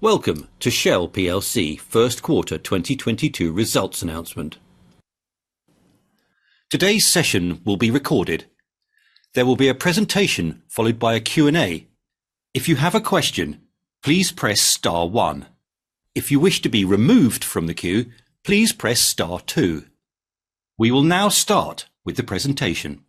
Welcome to Shell plc Q1 2022 results announcement. Today's session will be recorded. There will be a presentation followed by a Q&A. If you have a question, please press star one. If you wish to be removed from the queue, please press star two. We will now start with the presentation.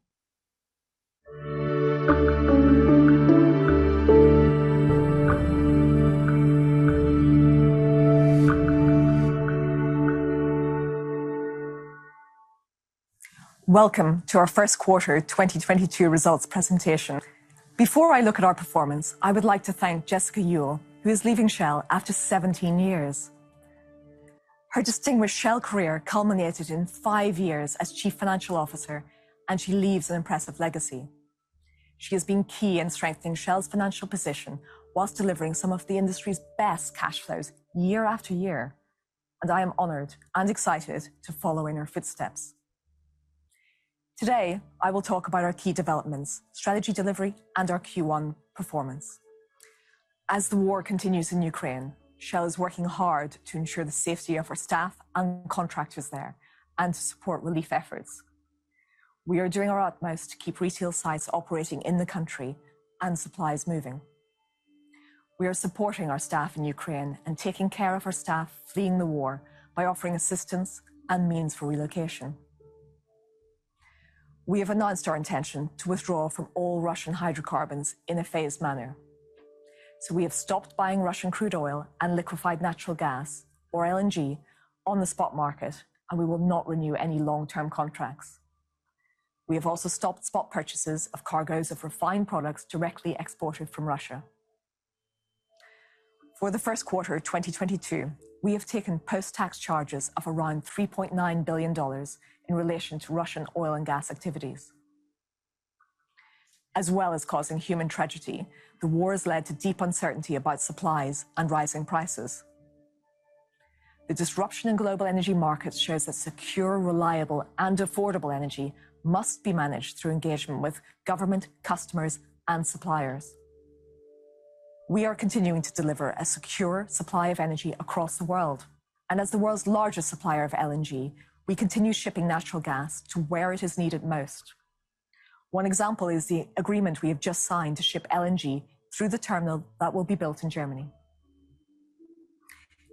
Welcome to our Q1 2022 results presentation. Before I look at our performance, I would like to thank Jessica Uhl, who is leaving Shell after 17 years. Her distinguished Shell career culminated in five years as Chief Financial Officer, and she leaves an impressive legacy. She has been key in strengthening Shell's financial position while delivering some of the industry's best cash flows year after year, and I am honored and excited to follow in her footsteps. Today, I will talk about our key developments, strategy delivery, and our Q1 performance. As the war continues in Ukraine, Shell is working hard to ensure the safety of our staff and contractors there and to support relief efforts. We are doing our utmost to keep retail sites operating in the country and supplies moving. We are supporting our staff in Ukraine and taking care of our staff fleeing the war by offering assistance and means for relocation. We have announced our intention to withdraw from all Russian hydrocarbons in a phased manner. We have stopped buying Russian crude oil and liquefied natural gas or LNG on the spot market, and we will not renew any long-term contracts. We have also stopped spot purchases of cargoes of refined products directly exported from Russia. For the Q1 of 2022, we have taken post-tax charges of around $3.9 billion in relation to Russian oil and gas activities. As well as causing human tragedy, the war has led to deep uncertainty about supplies and rising prices. The disruption in global energy markets shows that secure, reliable, and affordable energy must be managed through engagement with government, customers, and suppliers. We are continuing to deliver a secure supply of energy across the world. As the world's largest supplier of LNG, we continue shipping natural gas to where it is needed most. One example is the agreement we have just signed to ship LNG through the terminal that will be built in Germany.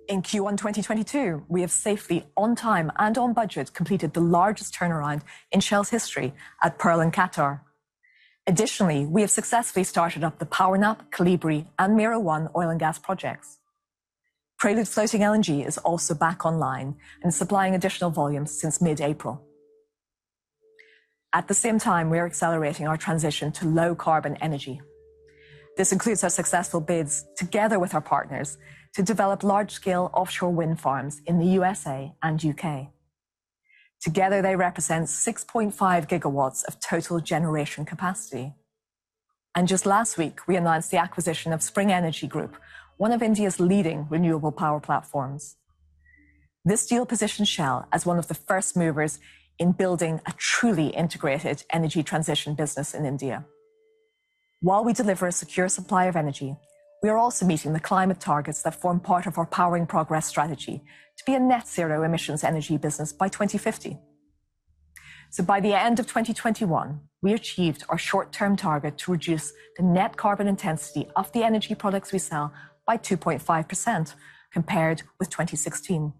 In Q1 2022, we have safely, on time and on budget, completed the largest turnaround in Shell's history at Pearl in Qatar. Additionally, we have successfully started up the PowerNap, Colibri, and Mero-1 oil and gas projects. Prelude FLNG is also back online and supplying additional volumes since mid-April. At the same time, we are accelerating our transition to low carbon energy. This includes our successful bids together with our partners to develop large-scale offshore wind farms in the USA and U.K. Together, they represent 6.5 GW of total generation capacity. Just last week, we announced the acquisition of Sprng Energy Group, one of India's leading renewable power platforms. This deal positions Shell as one of the first movers in building a truly integrated energy transition business in India. While we deliver a secure supply of energy, we are also meeting the climate targets that form part of our Powering Progress strategy to be a net zero emissions energy business by 2050. By the end of 2021, we achieved our short-term target to reduce the net carbon intensity of the energy products we sell by 2.5% compared with 2016.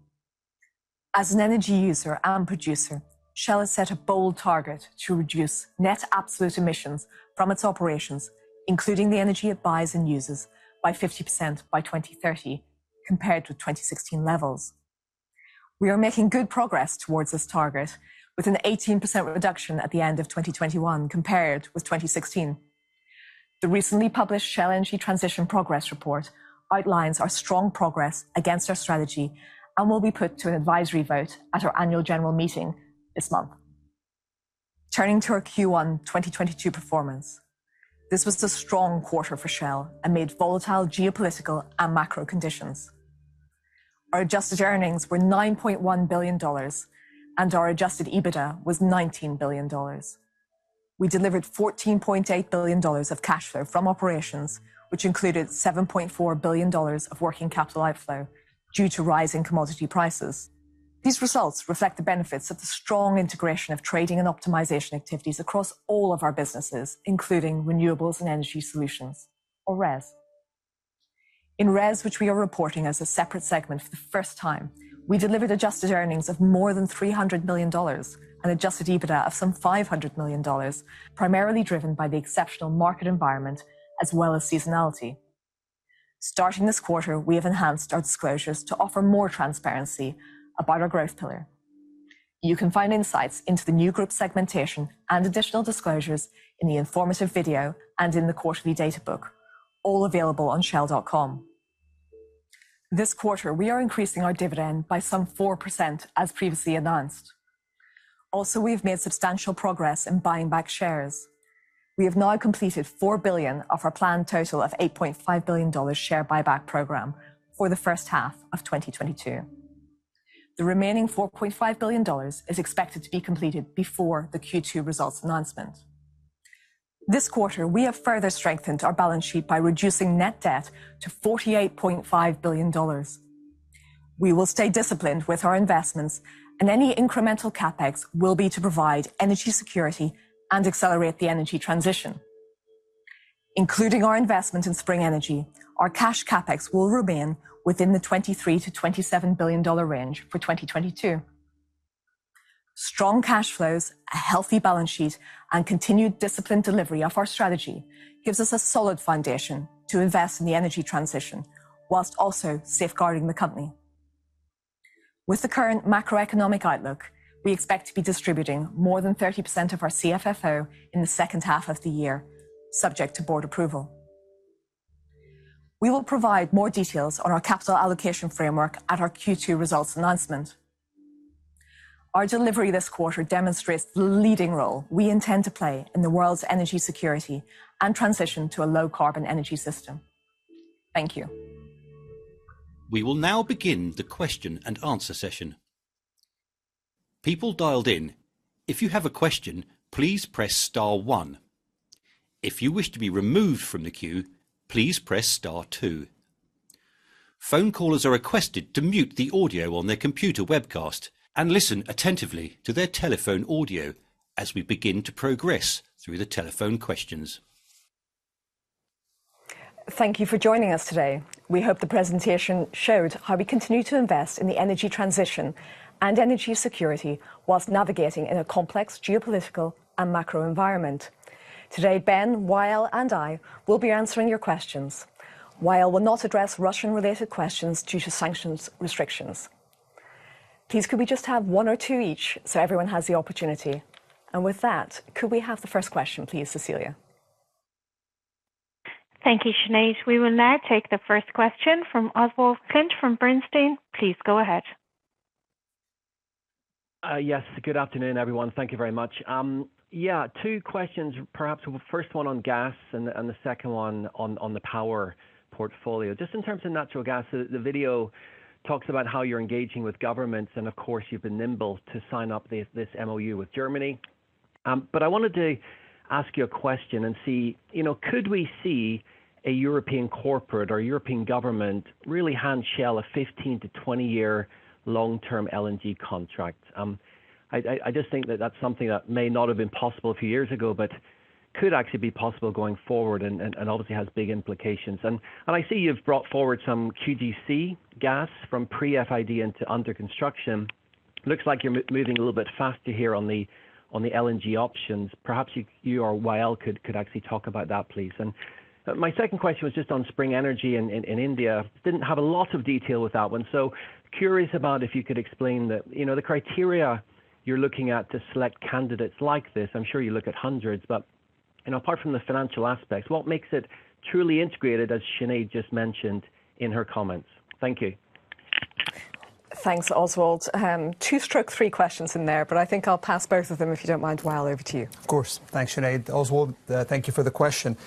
As an energy user and producer, Shell has set a bold target to reduce net absolute emissions from its operations, including the energy it buys and uses by 50% by 2030 compared to 2016 levels. We are making good progress towards this target with an 18% reduction at the end of 2021 compared with 2016. The recently published Shell Energy Transition Progress Report outlines our strong progress against our strategy and will be put to an advisory vote at our annual general meeting this month. Turning to our Q1 2022 performance. This was a strong quarter for Shell amid volatile geopolitical and macro conditions. Our adjusted earnings were $9.1 billion, and our adjusted EBITDA was $19 billion. We delivered $14.8 billion of cash flow from operations, which included $7.4 billion of working capital outflow due to rising commodity prices. These results reflect the benefits of the strong integration of trading and optimization activities across all of our businesses, including renewables and energy solutions or RES. In RES, which we are reporting as a separate segment for the first time, we delivered adjusted earnings of more than $300 million and adjusted EBITDA of some $500 million, primarily driven by the exceptional market environment as well as seasonality. Starting this quarter, we have enhanced our disclosures to offer more transparency about our growth pillar. You can find insights into the new group segmentation and additional disclosures in the informative video and in the quarterly data book, all available on shell.com. This quarter, we are increasing our dividend by some 4% as previously announced. Also, we've made substantial progress in buying back shares. We have now completed $4 billion of our planned total of $8.5 billion share buyback program for the H1 of 2022. The remaining $4.5 billion is expected to be completed before the Q2 results announcement. This quarter, we have further strengthened our balance sheet by reducing net debt to $48.5 billion. We will stay disciplined with our investments, and any incremental CapEx will be to provide energy security and accelerate the energy transition. Including our investment in Sprng Energy, our cash CapEx will remain within the $23 billion-$27 billion range for 2022. Strong cash flows, a healthy balance sheet, and continued disciplined delivery of our strategy gives us a solid foundation to invest in the energy transition while also safeguarding the company. With the current macroeconomic outlook, we expect to be distributing more than 30% of our CFFO in the H2 of the year, subject to board approval. We will provide more details on our capital allocation framework at our Q2 results announcement. Our delivery this quarter demonstrates the leading role we intend to play in the world's energy security and transition to a low carbon energy system. Thank you. We will now begin the Q&A session. People dialed in, if you have a question, please press star one. If you wish to be removed from the queue, please press star two. Phone callers are requested to mute the audio on their computer webcast and listen attentively to their telephone audio as we begin to progress through the telephone questions. Thank you for joining us today. We hope the presentation showed how we continue to invest in the energy transition and energy security while navigating in a complex geopolitical and macro environment. Today, Ben, Wael, and I will be answering your questions. Wael will not address Russian-related questions due to sanctions restrictions. Please, could we just have one or two each so everyone has the opportunity? With that, could we have the first question, please, Cecilia? Thank you, Sinead. We will now take the first question from Oswald Clint from Bernstein. Please go ahead. Yes. Good afternoon, everyone. Thank you very much. Yeah, two questions, perhaps the first one on gas and the second one on the power portfolio. Just in terms of natural gas, the video talks about how you're engaging with governments, and of course, you've been nimble to sign up this MOU with Germany. I wanted to ask you a question and see, you know, could we see a European corporate or European government really hand Shell a 15-20-year long-term LNG contract? I just think that that's something that may not have been possible a few years ago, but could actually be possible going forward and obviously has big implications. I see you've brought forward some QGC gas from pre-FID into under construction. Looks like you're moving a little bit faster here on the LNG options. Perhaps you or Wael could actually talk about that, please. My second question was just on Sprng Energy in India. Didn't have a lot of detail with that one. Curious about if you could explain the, you know, the criteria you're looking at to select candidates like this. I'm sure you look at hundreds, but, you know, apart from the financial aspects, what makes it truly integrated, as Sinead just mentioned in her comments? Thank you. Thanks, Oswald. Two or three questions in there, but I think I'll pass both of them, if you don't mind, Wael, over to you. Of course. Thanks, Sinead. Oswald, thank you for the question.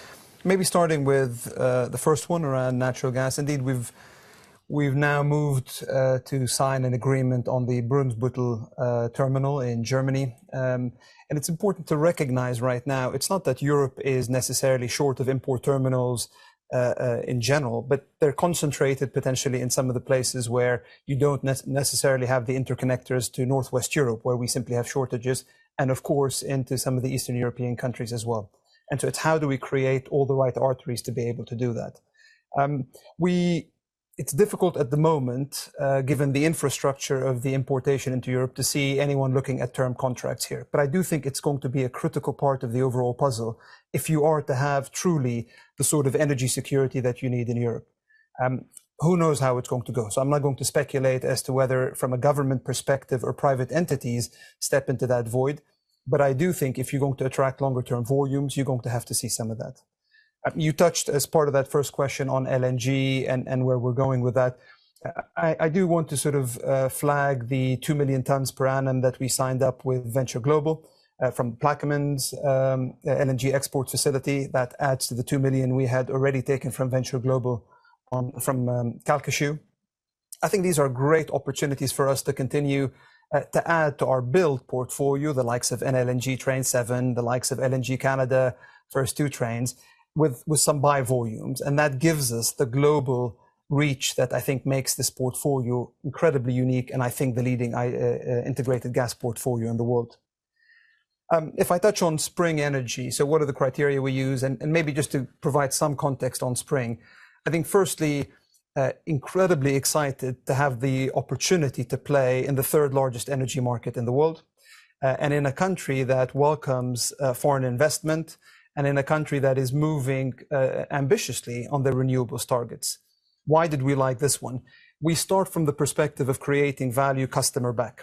Maybe starting with the first one around natural gas. Indeed, we've now moved to sign an agreement on the Brunsbüttel terminal in Germany. It's important to recognize right now, it's not that Europe is necessarily short of import terminals in general, but they're concentrated potentially in some of the places where you don't necessarily have the interconnectors to Northwest Europe, where we simply have shortages, and of course, into some of the Eastern European countries as well. It's how do we create all the right arteries to be able to do that? It's difficult at the moment, given the infrastructure of the importation into Europe to see anyone looking at term contracts here. I do think it's going to be a critical part of the overall puzzle if you are to have truly the sort of energy security that you need in Europe. Who knows how it's going to go? I'm not going to speculate as to whether from a government perspective or private entities step into that void. I do think if you're going to attract longer term volumes, you're going to have to see some of that. You touched as part of that first question on LNG and where we're going with that. I do want to sort of flag the 2 million tons per annum that we signed up with Venture Global from Plaquemines energy export facility that adds to the 2 million we had already taken from Venture Global from Calcasieu. I think these are great opportunities for us to continue to add to our build portfolio, the likes of NLNG Train 7, the likes of LNG Canada first two trains, with some buy volumes. That gives us the global reach that I think makes this portfolio incredibly unique, and I think the leading integrated gas portfolio in the world. If I touch on Sprng Energy, what are the criteria we use? Maybe just to provide some context on Sprng. I think firstly, incredibly excited to have the opportunity to play in the third largest energy market in the world, and in a country that welcomes foreign investment, and in a country that is moving ambitiously on the renewables targets. Why did we like this one? We start from the perspective of creating value customer back.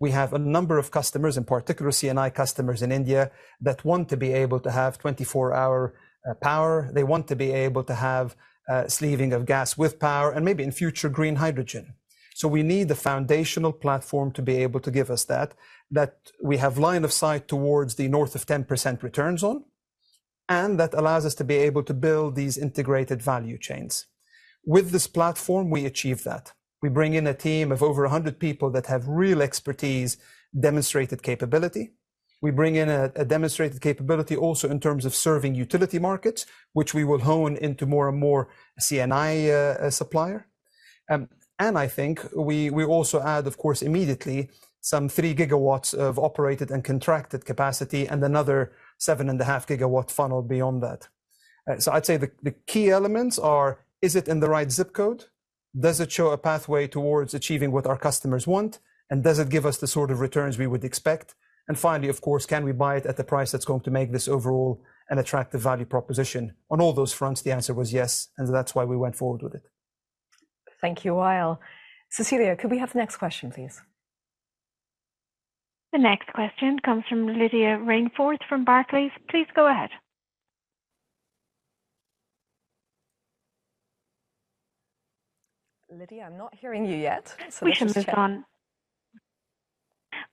We have a number of customers, in particular C&I customers in India, that want to be able to have 24-hour power. They want to be able to have sleeving of gas with power and maybe in future green hydrogen. We need the foundational platform to be able to give us that we have line of sight towards the north of 10% returns on, and that allows us to be able to build these integrated value chains. With this platform, we achieve that. We bring in a team of over 100 people that have real expertise, demonstrated capability. We bring in a demonstrated capability also in terms of serving utility markets, which we will hone into more and more C&I supplier. I think we also add, of course immediately some 3 GW of operated and contracted capacity and another 7.5 GW funnel beyond that. So I'd say the key elements are, is it in the right zip code? Does it show a pathway towards achieving what our customers want? Does it give us the sort of returns we would expect? Finally, of course, can we buy it at the price that's going to make this overall an attractive value proposition? On all those fronts, the answer was yes, and that's why we went forward with it. Thank you, Wael. Cecilia, could we have the next question, please? The next question comes from Lydia Rainforth from Barclays. Please go ahead. Lydia, I'm not hearing you yet, so let's just check.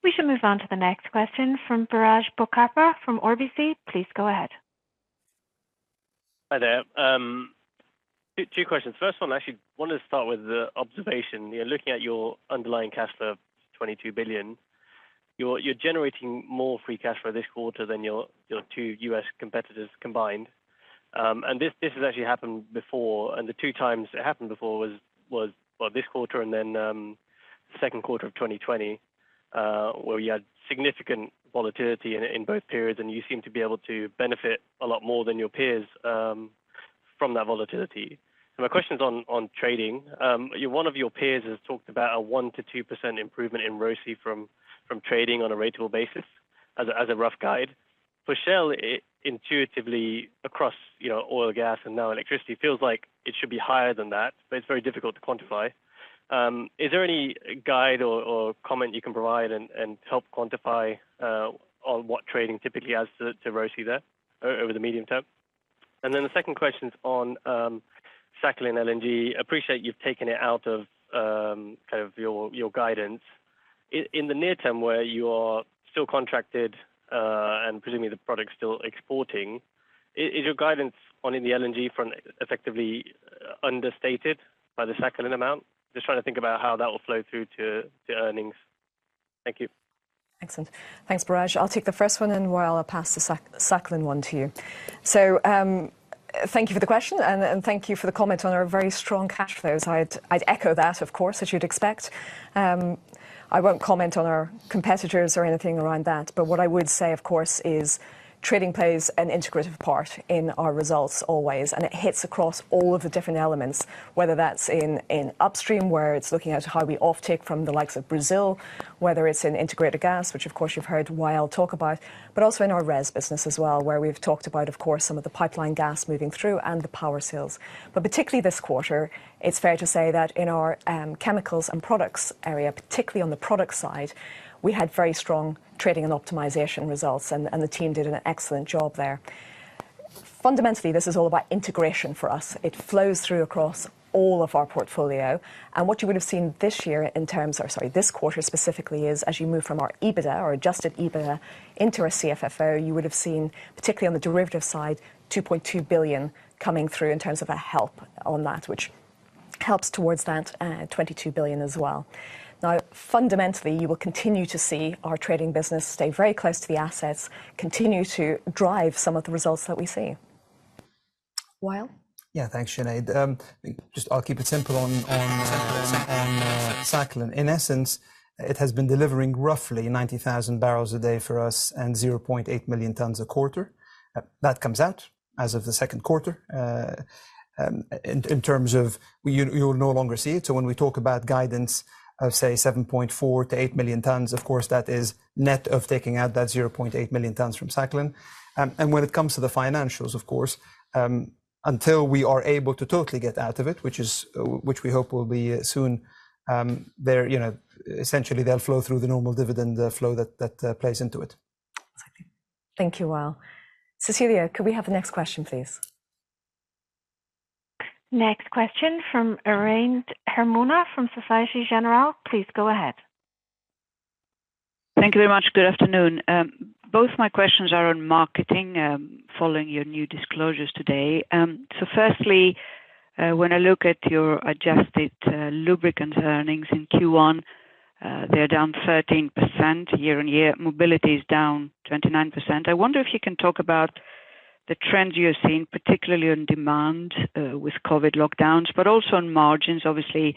We should move on to the next question from Biraj Borkhataria from RBC. Please go ahead. Hi there. Two questions. First one, I actually wanted to start with the observation. You know, looking at your underlying cash flow of $22 billion, you're generating more free cash flow this quarter than your two U.S. competitors combined. This has actually happened before, and the two times it happened before was well this quarter and then Q2 of 2020, where you had significant volatility in both periods, and you seem to be able to benefit a lot more than your peers from that volatility. My question's on trading. One of your peers has talked about a 1%-2% improvement in ROCE from trading on a ratable basis as a rough guide. For Shell, it intuitively across, you know, oil, gas, and now electricity, feels like it should be higher than that, but it's very difficult to quantify. Is there any guide or comment you can provide and help quantify on what trading typically adds to ROCE there over the medium term? The second question's on Sakhalin-2 LNG. Appreciate you've taken it out of kind of your guidance. In the near term, where you are still contracted and presumably the product's still exporting, is your guidance on the LNG front effectively understated by the Sakhalin amount? Just trying to think about how that will flow through to earnings. Thank you. Excellent. Thanks, Biraj. I'll take the first one, and Wael, I'll pass the Sakhalin one to you. Thank you for the question and thank you for the comment on our very strong cash flows. I'd echo that, of course, as you'd expect. I won't comment on our competitors or anything around that, but what I would say, of course, is trading plays an integrative part in our results always, and it hits across all of the different elements, whether that's in upstream, where it's looking at how we offtake from the likes of Brazil, whether it's in integrated gas, which of course you've heard Wael talk about, but also in our RES business as well, where we've talked about, of course, some of the pipeline gas moving through and the power sales. Particularly this quarter, it's fair to say that in our chemicals and products area, particularly on the product side, we had very strong trading and optimization results and the team did an excellent job there. Fundamentally, this is all about integration for us. It flows through across all of our portfolio. What you would have seen this year in terms of sorry, this quarter specifically is as you move from our EBITDA or adjusted EBITDA into our CFFO, you would have seen, particularly on the derivative side, $2.2 billion coming through in terms of a help on that, which helps towards that $22 billion as well. Now, fundamentally, you will continue to see our trading business stay very close to the assets, continue to drive some of the results that we see. Wael? Yeah. Thanks, Sinead. Just I'll keep it simple on Sakhalin. In essence, it has been delivering roughly 90,000 barrels a day for us and 0.8 million tons a quarter. That comes out as of the Q2. In terms of you'll no longer see it. When we talk about guidance of, say, 7.4-8 million tons, of course that is net of taking out that 0.8 million tons from Sakhalin. When it comes to the financials of course, until we are able to totally get out of it, which we hope will be soon, they're, you know. Essentially they'll flow through the normal dividend flow that plays into it. Thank you. Thank you, Wael. Cecilia, could we have the next question, please? Next question from Irene Himona from Societe Generale. Please go ahead. Thank you very much. Good afternoon. Both my questions are on marketing, following your new disclosures today. So firstly, when I look at your adjusted lubricants earnings in Q1, they're down 13% year-on-year. Mobility is down 29%. I wonder if you can talk about the trends you're seeing, particularly on demand, with COVID lockdowns, but also on margins. Obviously,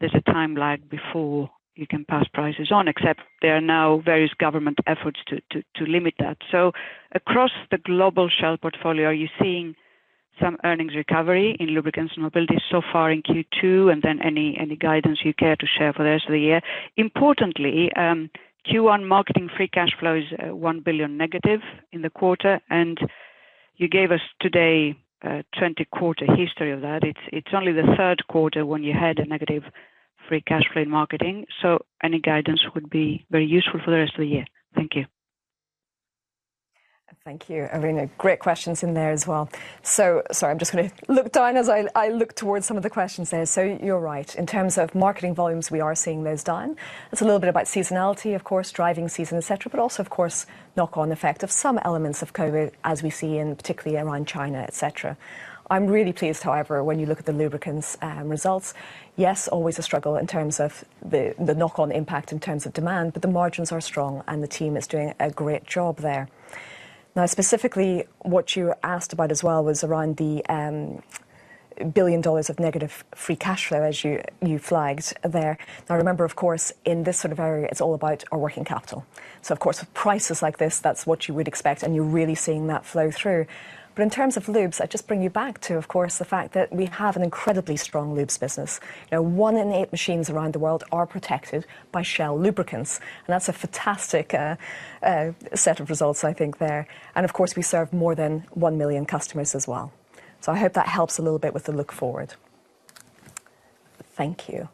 there's a timeline before you can pass prices on, except there are now various government efforts to limit that. So across the global Shell portfolio, are you seeing some earnings recovery in lubricants and mobility so far in Q2, and then any guidance you care to share for the rest of the year? Importantly, Q1 marketing free cash flow is -$1 billion in the quarter, and you gave us today a 20-quarter history of that. It's only the Q3 when you had a negative free cash flow in marketing. Any guidance would be very useful for the rest of the year. Thank you. Thank you, Irene. Great questions in there as well. Sorry, I'm just gonna look down as I look towards some of the questions there. You're right. In terms of marketing volumes, we are seeing those down. It's a little bit about seasonality, of course, driving season, et cetera, but also of course knock-on effect of some elements of COVID as we see in particularly around China, et cetera. I'm really pleased, however, when you look at the lubricants results. Yes, always a struggle in terms of the knock-on impact in terms of demand, but the margins are strong, and the team is doing a great job there. Now specifically what you asked about as well was around the $1 billion of negative free cash flow as you flagged there. Now remember, of course, in this sort of area, it's all about our working capital. Of course with prices like this, that's what you would expect, and you're really seeing that flow through. In terms of lubes, I'd just bring you back to, of course, the fact that we have an incredibly strong lubes business. Now 1-in-8 machines around the world are protected by Shell Lubricants, and that's a fantastic set of results I think there. Of course, we serve more than 1 million customers as well. I hope that helps a little bit with the look forward. Thank you.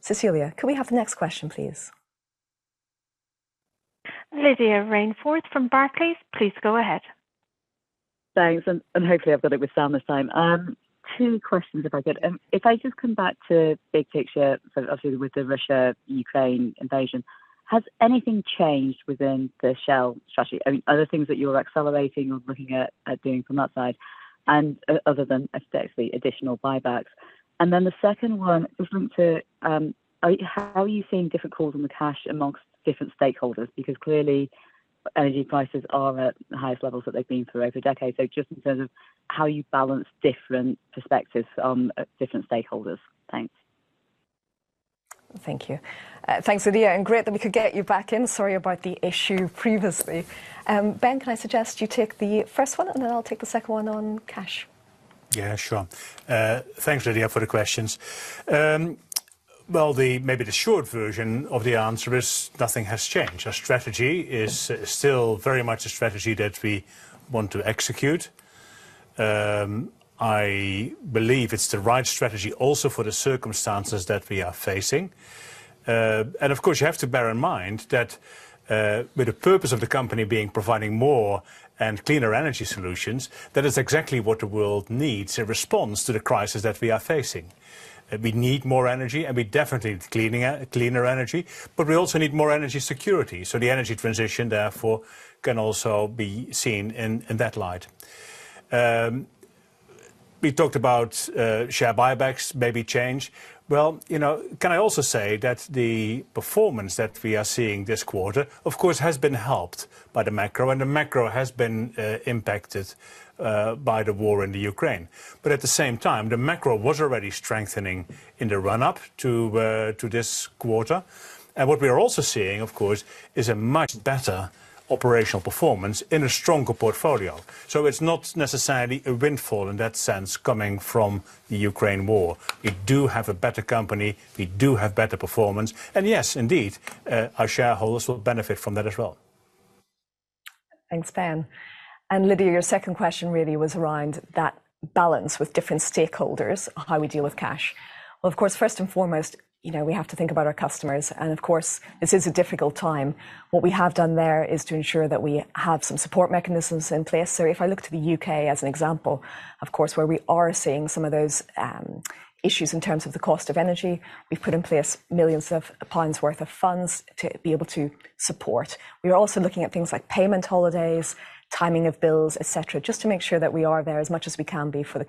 Cecilia, can we have the next question, please? Lydia Rainforth from Barclays, please go ahead. Thanks. Hopefully I've got it with sound this time. Two questions if I could. If I just come back to big picture, obviously with the Russia-Ukraine invasion, has anything changed within the Shell strategy? Are there things that you're accelerating or looking at doing from that side and other than obviously additional buybacks? Then the second one is onto, how are you seeing different calls on the cash amongst different stakeholders? Because clearly energy prices are at the highest levels that they've been for over a decade. Just in terms of how you balance different perspectives from different stakeholders. Thanks. Thank you. Thanks, Lydia, and great that we could get you back in. Sorry about the issue previously. Ben, can I suggest you take the first one, and then I'll take the second one on cash. Yeah, sure. Thanks, Lydia, for the questions. Well, maybe the short version of the answer is nothing has changed. Our strategy is still very much a strategy that we want to execute. I believe it's the right strategy also for the circumstances that we are facing. Of course, you have to bear in mind that with the purpose of the company being providing more and cleaner energy solutions, that is exactly what the world needs, a response to the crisis that we are facing. We need more energy, and we definitely cleaner energy, but we also need more energy security. The energy transition therefore can also be seen in that light. We talked about share buybacks maybe change. Well, you know, can I also say that the performance that we are seeing this quarter, of course, has been helped by the macro, and the macro has been impacted by the war in the Ukraine. At the same time, the macro was already strengthening in the run up to this quarter. What we are also seeing, of course, is a much better operational performance in a stronger portfolio. It's not necessarily a windfall in that sense coming from the Ukraine war. We do have a better company. We do have better performance, and yes, indeed, our shareholders will benefit from that as well. Thanks, Ben. Lydia, your second question really was around that balance with different stakeholders, how we deal with cash. Well, of course, first and foremost, you know, we have to think about our customers, and of course this is a difficult time. What we have done there is to ensure that we have some support mechanisms in place. If I look to the U.K. as an example, of course, where we are seeing some of those issues in terms of the cost of energy, we've put in place millions of GBP worth of funds to be able to support. We are also looking at things like payment holidays, timing of bills, et cetera, just to make sure that we are there as much as we can be for the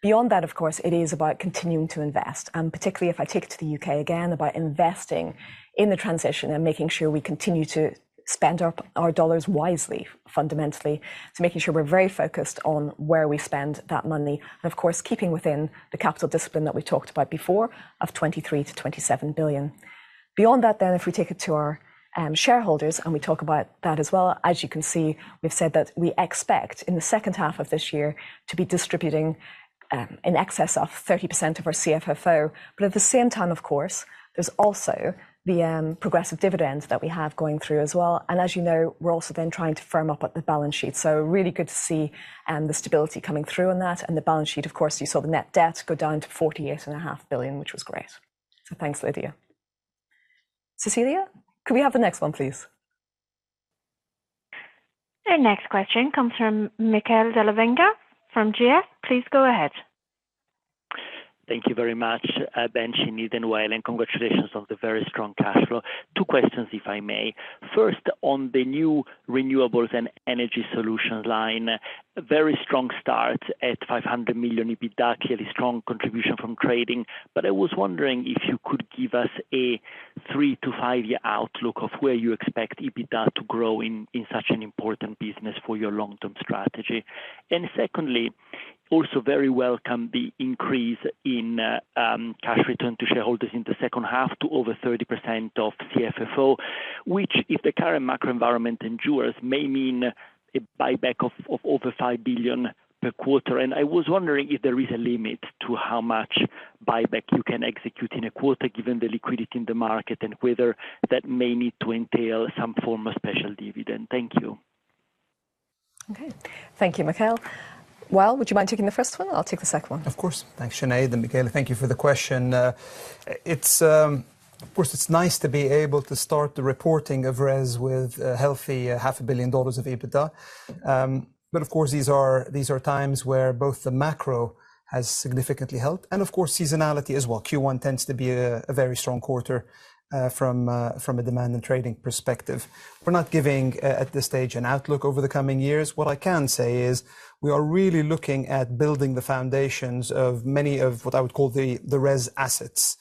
customers as well. Beyond that, of course, it is about continuing to invest, and particularly if I take it to the U.K. again, about investing in the transition and making sure we continue to spend our dollars wisely, fundamentally, so making sure we're very focused on where we spend that money and of course keeping within the capital discipline that we talked about before of $23 billion-$27 billion. Beyond that, if we take it to our shareholders, and we talk about that as well, as you can see, we've said that we expect in the H2 of this year to be distributing in excess of 30% of our CFFO. But at the same time, of course, there's also the progressive dividends that we have going through as well. As you know, we're also then trying to firm up the balance sheet. Really good to see the stability coming through on that. The balance sheet, of course, you saw the net debt go down to $48.5 billion, which was great. Thanks, Lydia. Cecilia, could we have the next one, please? The next question comes from Michele Della Vigna from GS. Please go ahead. Thank you very much, Ben, Sinead and Wael, and congratulations on the very strong cash flow. Two questions if I may. First, on the new renewables and energy solutions line, very strong start at $500 million EBITDA, clearly strong contribution from trading. I was wondering if you could give us a 3-5 year outlook of where you expect EBITDA to grow in such an important business for your long-term strategy. Secondly, also very welcome the increase in cash return to shareholders in the H2 to over 30% of CFFO, which if the current macro environment endures, may mean a buyback of over $5 billion per quarter. I was wondering if there is a limit to how much buyback you can execute in a quarter given the liquidity in the market and whether that may need to entail some form of special dividend. Thank you. Okay. Thank you, Michele. Wael, would you mind taking the first one? I'll take the second one. Of course. Thanks, Sinead. And Michele, thank you for the question. It's, of course, it's nice to be able to start the reporting of RES with a healthy half a billion dollars of EBITDA. These are times where both the macro has significantly helped and of course seasonality as well. Q1 tends to be a very strong quarter from a demand and trading perspective. We're not giving at this stage an outlook over the coming years. What I can say is we are really looking at building the foundations of many of what I would call the RES assets.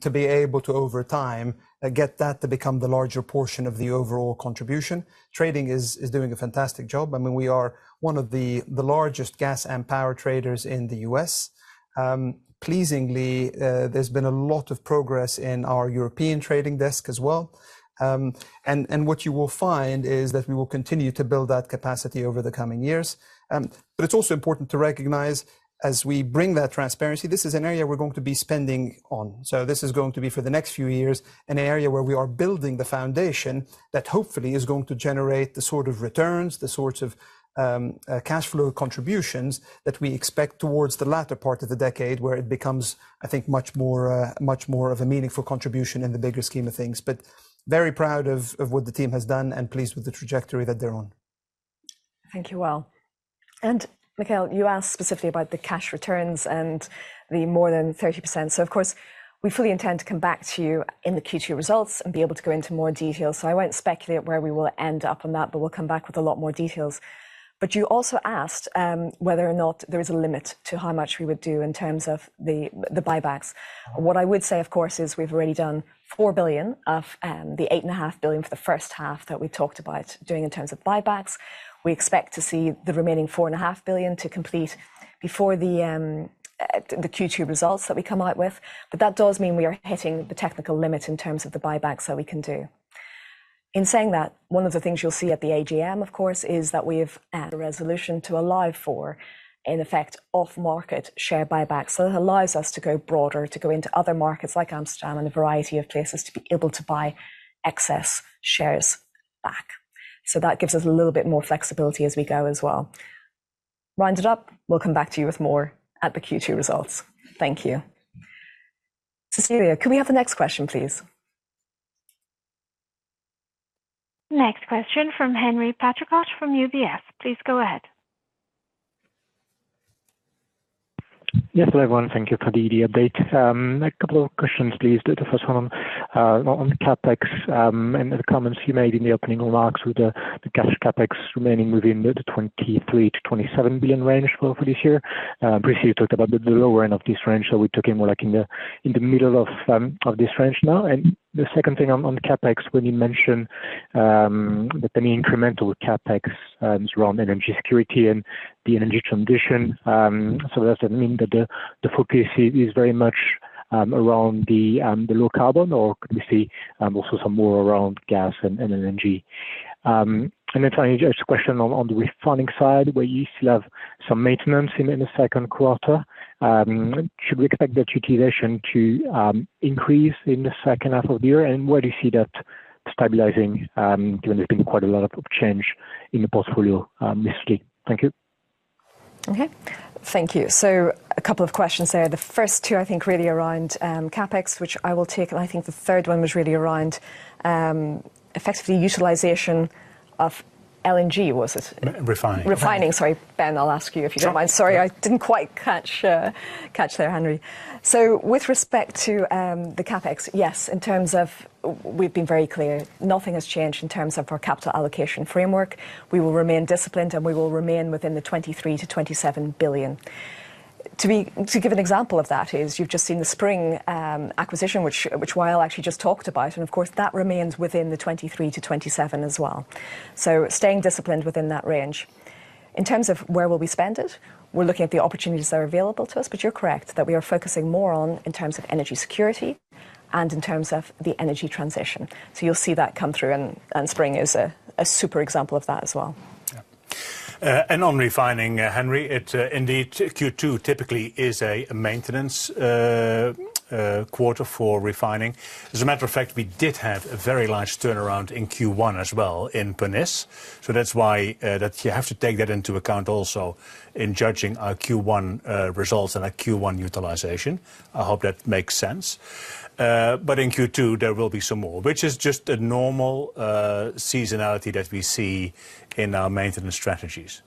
To be able to over time get that to become the larger portion of the overall contribution. Trading is doing a fantastic job. I mean, we are one of the largest gas and power traders in the U.S. Pleasingly, there's been a lot of progress in our European trading desk as well. And what you will find is that we will continue to build that capacity over the coming years. But it's also important to recognize as we bring that transparency, this is an area we're going to be spending on. This is going to be, for the next few years, an area where we are building the foundation that hopefully is going to generate the sort of returns, the sorts of cash flow contributions that we expect towards the latter part of the decade, where it becomes, I think, much more, much more of a meaningful contribution in the bigger scheme of things. Very proud of what the team has done and pleased with the trajectory that they're on. Thank you, Wael. Michele Della Vigna, you asked specifically about the cash returns and the more than 30%. Of course, we fully intend to come back to you in the Q2 results and be able to go into more detail. I won't speculate where we will end up on that, but we'll come back with a lot more details. You also asked whether or not there is a limit to how much we would do in terms of the buybacks. What I would say, of course, is we've already done $4 billion of the $8.5 billion for the H1 that we talked about doing in terms of buybacks. We expect to see the remaining $4.5 billion to complete before the Q2 results that we come out with. That does mean we are hitting the technical limit in terms of the buybacks that we can do. In saying that, one of the things you'll see at the AGM, of course, is that we've added a resolution to allow for, in effect, off-market share buybacks. That allows us to go broader, to go into other markets like Amsterdam and a variety of places to be able to buy excess shares back. That gives us a little bit more flexibility as we go as well. Round it up, we'll come back to you with more at the Q2 results. Thank you. Cecilia, can we have the next question, please? Next question from Henri Patricot from UBS. Please go ahead. Yes, hello, everyone. Thank you for the update. A couple of questions, please. The first one on the CapEx and the comments you made in the opening remarks with the cash CapEx remaining within the $23 billion-$27 billion range for this year. Briefly, you talked about the lower end of this range, so we're talking more like in the middle of this range now. The second thing on CapEx, when you mention that any incremental CapEx is around energy security and the energy transition, so does that mean that the focus here is very much around the low carbon, or could we see also some more around gas and LNG? Finally, just a question on the refining side, where you still have some maintenance in the Q2, should we expect the utilization to increase in the H2 of the year? Where do you see that stabilizing, given there's been quite a lot of change in the portfolio this year? Thank you. Okay. Thank you. A couple of questions there. The first two, I think, really around CapEx, which I will take, and I think the third one was really around effective utilization of LNG, was it? Refining. Refining. Sorry, Ben, I'll ask you if you don't mind. Sorry, I didn't quite catch there, Henry. With respect to the CapEx, yes, in terms we've been very clear, nothing has changed in terms of our capital allocation framework. We will remain disciplined, and we will remain within the $23-$27 billion. To give an example of that is you've just seen the Sprng acquisition, which Wael actually just talked about, and of course, that remains within the $23-$27 billion as well. Staying disciplined within that range. In terms of where will we spend it, we're looking at the opportunities that are available to us. You're correct that we are focusing more on in terms of energy security and in terms of the energy transition. You'll see that come through, and Sprng is a super example of that as well. Yeah. On refining, Henry, it, indeed, Q2 typically is a maintenance quarter for refining. As a matter of fact, we did have a very large turnaround in Q1 as well in Pernis. That's why that you have to take that into account also in judging our Q1 results and our Q1 utilization. I hope that makes sense. In Q2, there will be some more, which is just a normal seasonality that we see in our maintenance strategies.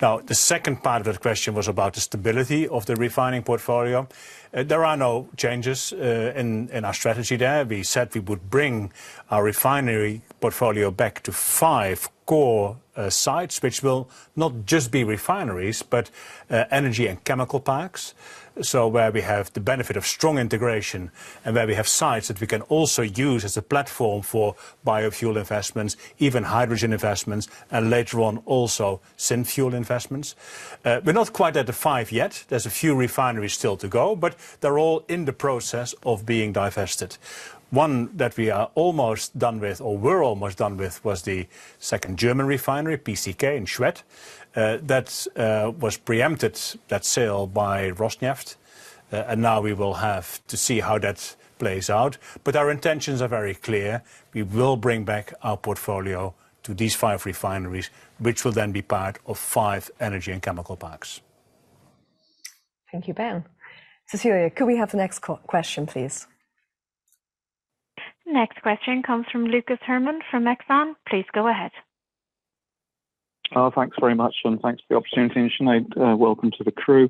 Now, the second part of the question was about the stability of the refining portfolio. There are no changes in our strategy there. We said we would bring our refinery portfolio back to five core sites, which will not just be refineries, but energy and chemical parks. Where we have the benefit of strong integration and where we have sites that we can also use as a platform for biofuel investments, even hydrogen investments, and later on also synfuel investments. We're not quite at the five yet. There's a few refineries still to go, but they're all in the process of being divested. One that we are almost done with, or were almost done with, was the second German refinery, PCK Schwedt. That sale was preempted by Rosneft. And now we will have to see how that plays out. Our intentions are very clear. We will bring back our portfolio to these five refineries, which will then be part of five energy and chemical parks. Thank you, Ben. Cecilia, could we have the next question, please? Next question comes from Lucas Herrmann from Exane. Please go ahead. Oh, thanks very much, and thanks for the opportunity. Sinead, welcome to the crew.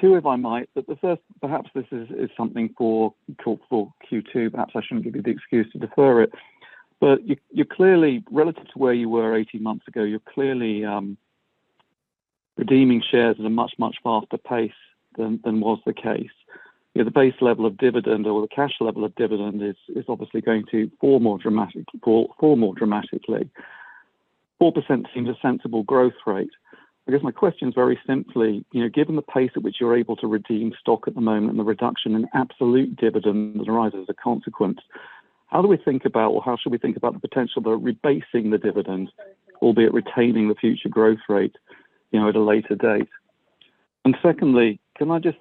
Two, if I might. The first, perhaps this is something for talk for Q2. Perhaps I shouldn't give you the excuse to defer it. You're clearly, relative to where you were 18 months ago, you're clearly Redeeming shares at a much, much faster pace than was the case. You know, the base level of dividend or the cash level of dividend is obviously going to fall more dramatically. 4% seems a sensible growth rate. I guess my question is very simply, you know, given the pace at which you're able to redeem stock at the moment and the reduction in absolute dividends arising as a consequence, how do we think about or how should we think about the potential of rebasing the dividend, albeit retaining the future growth rate, you know, at a later date? Secondly, can I just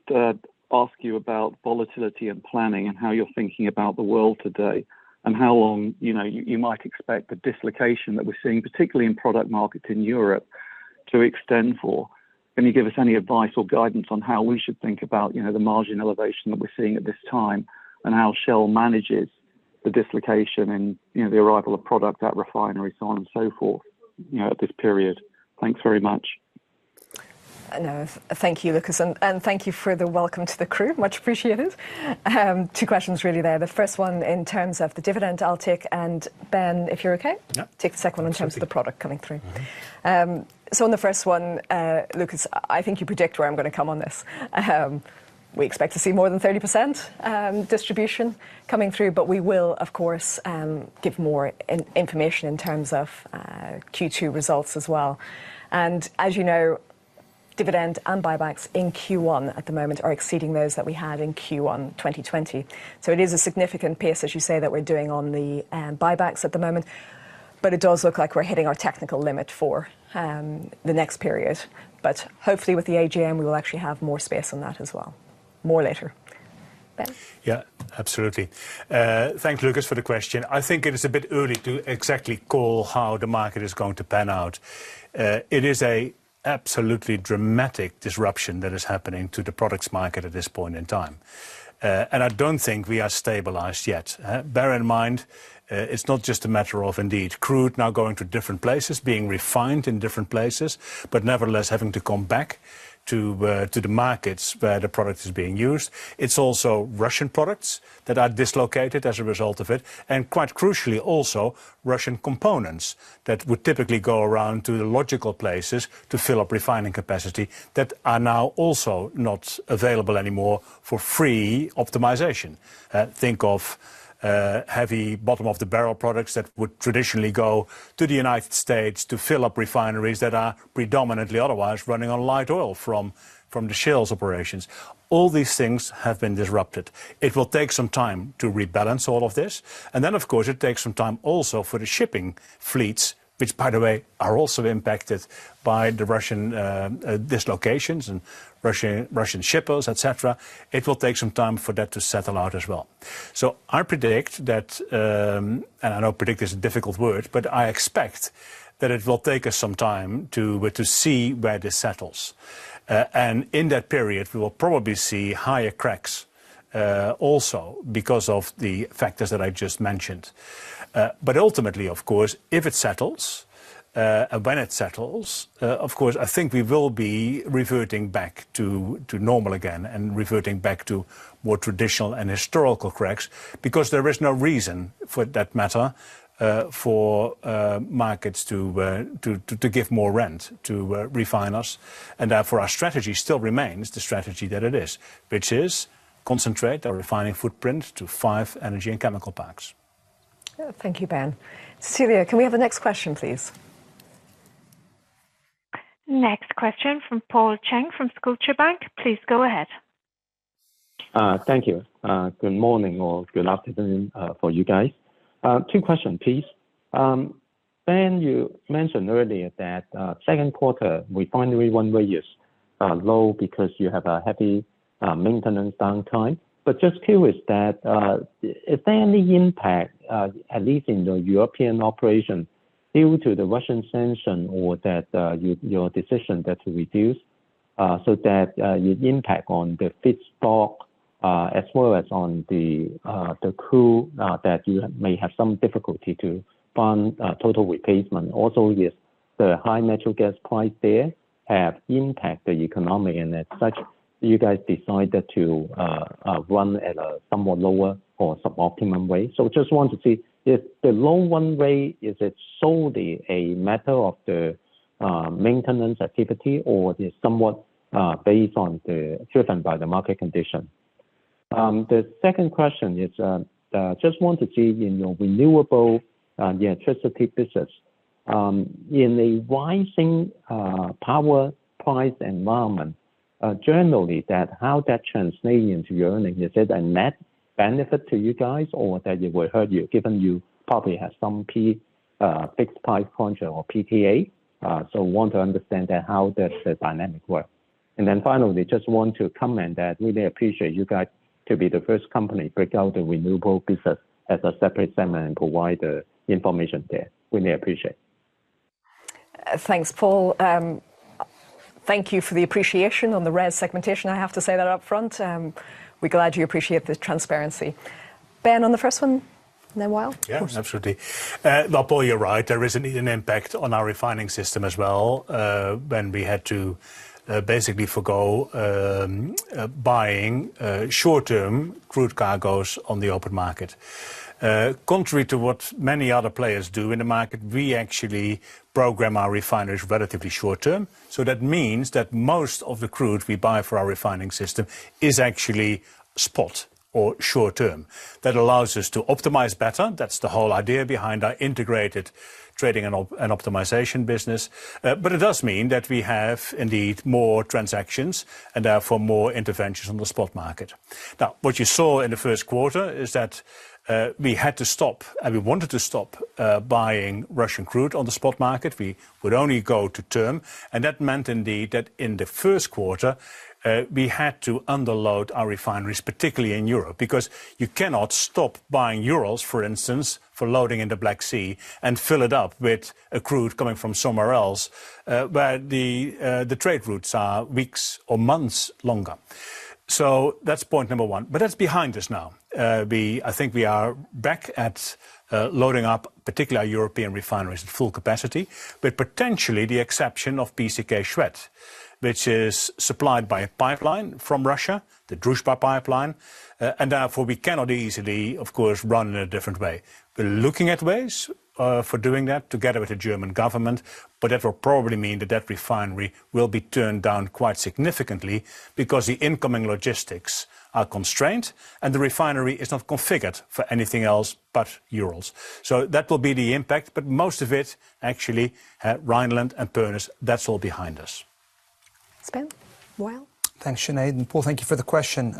ask you about volatility and planning and how you're thinking about the world today, and how long, you know, you might expect the dislocation that we're seeing, particularly in product markets in Europe, to extend for? Can you give us any advice or guidance on how we should think about, you know, the margin elevation that we're seeing at this time and how Shell manages the dislocation and, you know, the arrival of product at refineries so on and so forth, you know, at this period? Thanks very much. No. Thank you, Lucas, and thank you for the welcome to the crew. Much appreciated. Two questions really there. The first one in terms of the dividend, I'll take, and Ben, if you're okay. Yeah. Take the second one in terms of the product coming through. On the first one, Lucas, I think you predict where I'm gonna come on this. We expect to see more than 30% distribution coming through, but we will, of course, give more information in terms of Q2 results as well. As you know, dividend and buybacks in Q1 at the moment are exceeding those that we had in Q1 2020. It is a significant pace, as you say, that we're doing on the buybacks at the moment, but it does look like we're hitting our technical limit for the next period. Hopefully with the AGM, we will actually have more space on that as well. More later. Ben? Yeah. Absolutely. Thanks, Lucas, for the question. I think it is a bit early to exactly call how the market is going to pan out. It is a absolutely dramatic disruption that is happening to the products market at this point in time. And I don't think we are stabilized yet. Bear in mind, it's not just a matter of indeed crude now going to different places, being refined in different places, but nevertheless having to come back to the markets where the product is being used. It's also Russian products that are dislocated as a result of it, and quite crucially, also Russian components that would typically go around to the logical places to fill up refining capacity that are now also not available anymore for free optimization. Think of heavy bottom of the barrel products that would traditionally go to the United States to fill up refineries that are predominantly otherwise running on light oil from the shale operations. All these things have been disrupted. It will take some time to rebalance all of this. Of course, it takes some time also for the shipping fleets, which by the way, are also impacted by the Russian dislocations and Russian shippers, et cetera. It will take some time for that to settle out as well. I predict that and I know predict is a difficult word, but I expect that it will take us some time to see where this settles. In that period, we will probably see higher cracks also because of the factors that I just mentioned. Ultimately, of course, if it settles, when it settles, of course, I think we will be reverting back to normal again and reverting back to more traditional and historical cracks because there is no reason, for that matter, for markets to give more rent to refiners. Therefore our strategy still remains the strategy that it is, which is concentrate our refining footprint to five energy and chemical parks. Thank you, Ben. Cecilia, can we have the next question, please? Next question from Paul Cheng from Scotiabank. Please go ahead. Thank you. Good morning or good afternoon, for you guys. Two questions, please. Ben, you mentioned earlier that Q2 refinery run rate is low because you have a heavy maintenance downtime. Just curious, is there any impact at least in the European operations due to the Russian sanctions or your decision that reduces so that you impact on the feedstock as well as on the crude that you may have some difficulty to find total replacement? Also with the high natural gas price they have impacted the economics and as such you guys decided to run at a somewhat lower or suboptimal way. Just want to see if the low run rate is it solely a matter of the maintenance activity or is somewhat driven by the market condition? The second question is just want to see in your renewable electricity business in the rising power price environment generally that how that translate into your earnings. Is it a net benefit to you guys or that it will hurt you given you probably have some fixed price contract or PPA? Want to understand that, how that dynamic work. Finally, just want to comment that really appreciate you guys to be the first company break out the renewable business as a separate segment and provide the information there. Really appreciate. Thanks, Paul. Thank you for the appreciation on the RES segmentation, I have to say that up front. We're glad you appreciate the transparency. Ben, on the first one, and then Wael. Yeah. Absolutely. Well, Paul, you're right. There is indeed an impact on our refining system as well, when we had to basically forgo buying short-term crude cargoes on the open market. Contrary to what many other players do in the market, we actually program our refineries relatively short-term. So that means that most of the crude we buy for our refining system is actually spot or short-term. That allows us to optimize better. That's the whole idea behind our integrated trading and optimization business. But it does mean that we have indeed more transactions and therefore, more interventions on the spot market. Now, what you saw in the Q1 is that we had to stop, and we wanted to stop, buying Russian crude on the spot market. We would only go to term, and that meant indeed that in the Q1, we had to underload our refineries, particularly in Europe, because you cannot stop buying Urals, for instance, for loading in the Black Sea and fill it up with a crude coming from somewhere else, where the trade routes are weeks or months longer. That's point number one. That's behind us now. I think we are back at loading up particularly our European refineries at full capacity, with potentially the exception of PCK Schwedt, which is supplied by a pipeline from Russia, the Druzhba pipeline, and therefore we cannot easily, of course, run in a different way. We're looking at ways for doing that together with the German government, but that will probably mean that that refinery will be turned down quite significantly because the incoming logistics are constrained, and the refinery is not configured for anything else but Urals. That will be the impact, but most of it actually, Rheinland and Pernis, that's all behind us. Ben, Wael? Thanks, Sinead, and Paul, thank you for the question.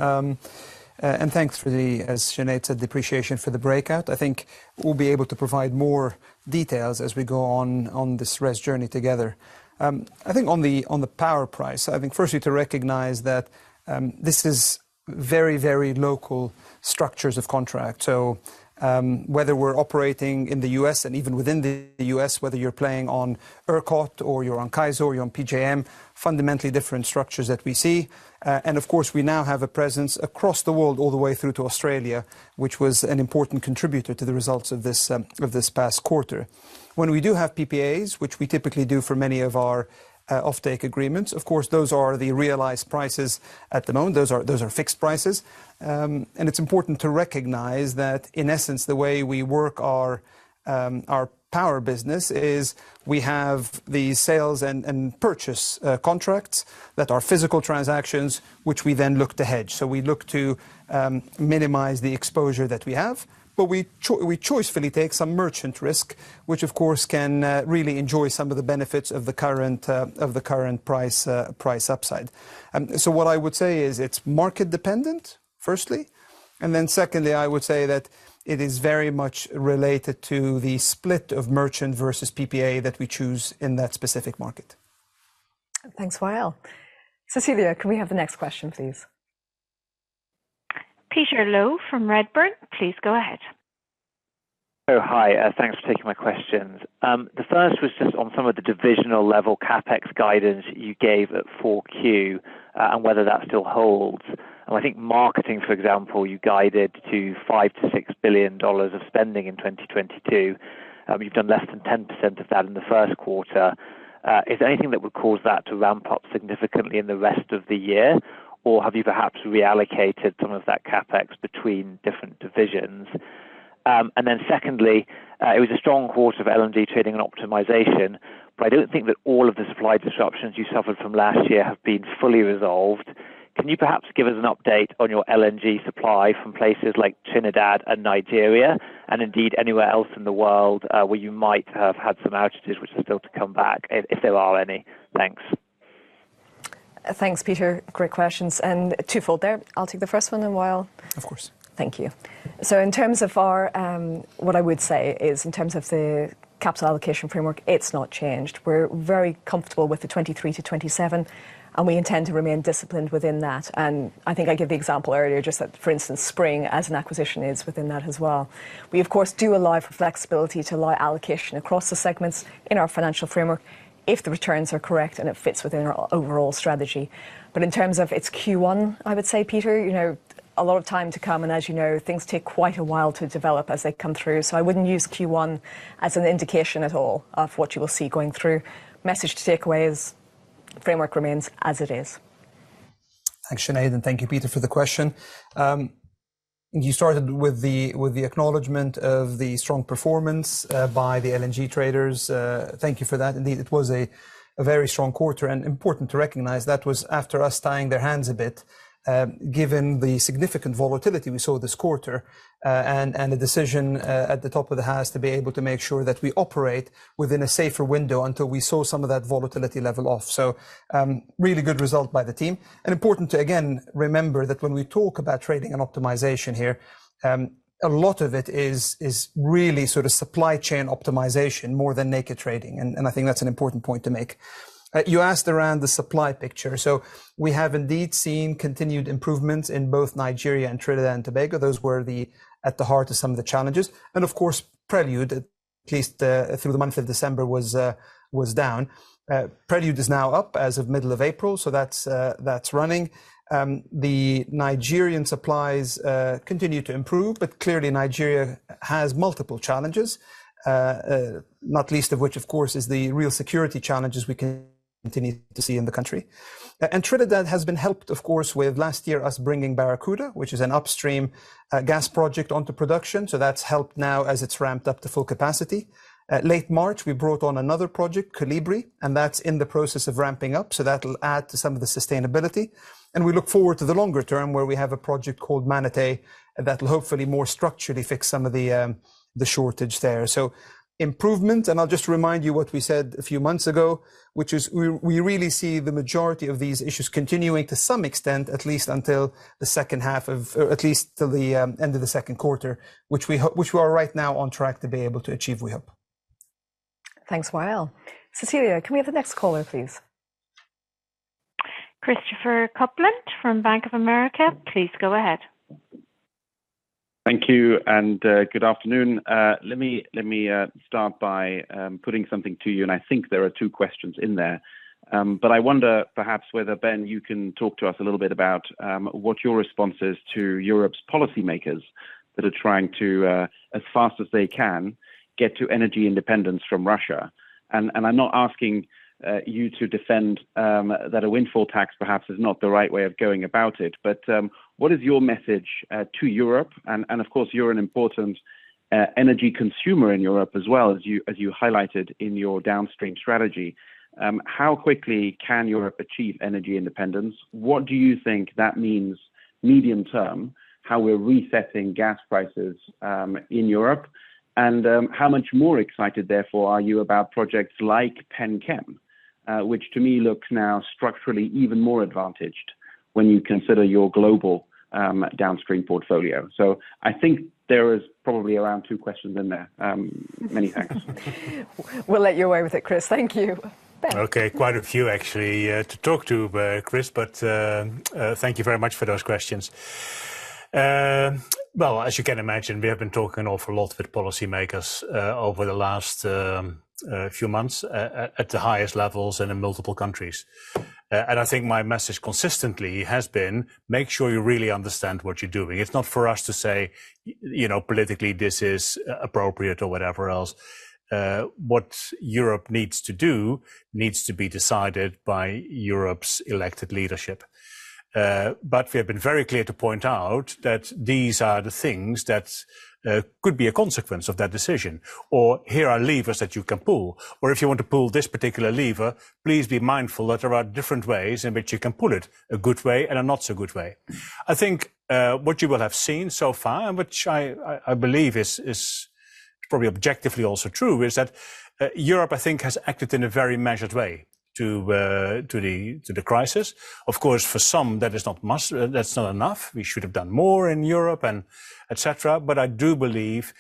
And thanks for the, as Sinead said, the appreciation for the breakout. I think we'll be able to provide more details as we go on this reset journey together. I think on the power price, I think firstly to recognize that, this is very, very local structures of contract. Whether we're operating in the U.S. and even within the U.S., whether you're playing on ERCOT or you're on CAISO or you're on PJM, fundamentally different structures that we see. Of course, we now have a presence across the world all the way through to Australia, which was an important contributor to the results of this past quarter. When we do have PPAs, which we typically do for many of our offtake agreements, of course, those are the realized prices at the moment. Those are fixed prices. It's important to recognize that, in essence, the way we work our power business is we have the sales and purchase contracts that are physical transactions which we then look to hedge. We look to minimize the exposure that we have. We choicefully take some merchant risk, which of course can really enjoy some of the benefits of the current price upside. What I would say is it's market dependent, firstly, and then secondly, I would say that it is very much related to the split of merchant versus PPA that we choose in that specific market. Thanks, Wael. Cecilia, can we have the next question, please? Peter Low from Redburn, please go ahead. Hi. Thanks for taking my questions. The first was just on some of the divisional level CapEx guidance you gave at Q4, and whether that still holds. I think marketing, for example, you guided to $5 billion-$6 billion of spending in 2022. You've done less than 10% of that in the Q1. Is there anything that would cause that to ramp up significantly in the rest of the year? Or have you perhaps reallocated some of that CapEx between different divisions? And then secondly, it was a strong quarter for LNG trading and optimization, but I don't think that all of the supply disruptions you suffered from last year have been fully resolved. Can you perhaps give us an update on your LNG supply from places like Trinidad and Nigeria, and indeed anywhere else in the world, where you might have had some outages which are still to come back, if there are any? Thanks. Thanks, Peter. Great questions. Twofold there. I'll take the first one, then Wael. Of course. Thank you. What I would say is in terms of the capital allocation framework, it's not changed. We're very comfortable with the $23 billion-$27 billion, and we intend to remain disciplined within that. I think I gave the example earlier, just that, for instance, Sprng as an acquisition is within that as well. We of course do allow for flexibility to allow allocation across the segments in our financial framework if the returns are correct and it fits within our overall strategy. In terms of its Q1, I would say, Peter, you know, a lot of time to come, and as you know, things take quite a while to develop as they come through. I wouldn't use Q1 as an indication at all of what you will see going through. Message to take away is the framework remains as it is. Thanks, Sinead, and thank you, Peter, for the question. You started with the acknowledgement of the strong performance by the LNG traders. Thank you for that. Indeed, it was a very strong quarter, and important to recognize that was after us tying their hands a bit, given the significant volatility we saw this quarter, and the decision at the top of the house to be able to make sure that we operate within a safer window until we saw some of that volatility level off. Really good result by the team. Important to again remember that when we talk about trading and optimization here, a lot of it is really sort of supply chain optimization more than naked trading, and I think that's an important point to make. You asked around the supply picture. We have indeed seen continued improvements in both Nigeria and Trinidad and Tobago. Those were the at the heart of some of the challenges. Of course, Prelude, at least, through the month of December was down. Prelude is now up as of middle of April, that's running. The Nigerian supplies continue to improve, but clearly Nigeria has multiple challenges, not least of which of course is the real security challenges we can- Continue to see in the country. Trinidad has been helped, of course, with last year us bringing Barracuda, which is an upstream gas project onto production. That's helped now as it's ramped up to full capacity. Late March, we brought on another project, Colibri, and that's in the process of ramping up. That'll add to some of the sustainability. We look forward to the longer term where we have a project called Manatee that'll hopefully more structurally fix some of the shortage there. Improvement, and I'll just remind you what we said a few months ago, which is we really see the majority of these issues continuing to some extent, at least until the H2 of At least till the end of the Q2, which we are right now on track to be able to achieve, we hope. Thanks, Wael. Cecilia, can we have the next caller, please? Christopher Kuplent from Bank of America, please go ahead. Thank you and good afternoon. Let me start by putting something to you, and I think there are two questions in there. I wonder perhaps whether, Ben, you can talk to us a little bit about what your response is to Europe's policymakers that are trying to, as fast as they can, get to energy independence from Russia. I'm not asking you to defend that a windfall tax perhaps is not the right way of going about it. What is your message to Europe? Of course, you're an important energy consumer in Europe as well as you highlighted in your downstream strategy. How quickly can Europe achieve energy independence? What do you think that means medium-term, how we're resetting gas prices in Europe? How much more excited therefore are you about projects like Pennsylvania Chemicals, which to me looks now structurally even more advantaged when you consider your global downstream portfolio? I think there is probably around two questions in there. Many thanks. We'll let you get away with it, Chris. Thank you. Ben. Okay. Quite a few actually to talk to, Chris, but thank you very much for those questions. Well, as you can imagine, we have been talking an awful lot with policymakers over the last few months at the highest levels and in multiple countries. I think my message consistently has been, make sure you really understand what you're doing. It's not for us to say, you know, politically this is appropriate or whatever else. What Europe needs to do needs to be decided by Europe's elected leadership. We have been very clear to point out that these are the things that could be a consequence of that decision, or here are levers that you can pull. If you want to pull this particular lever, please be mindful that there are different ways in which you can pull it, a good way and a not so good way. I think what you will have seen so far, and which I believe is probably objectively also true, is that Europe, I think, has acted in a very measured way to the crisis. Of course, for some, that is not much, that's not enough. We should have done more in Europe and et cetera. I do believe